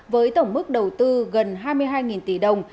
với tổng mức đầu tư gần hai mươi hai tỷ đồng